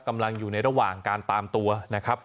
กำลังอยู่ในระหว่างการตามตัวนะครับ